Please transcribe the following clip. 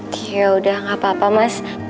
kayak udah gak apa apa mas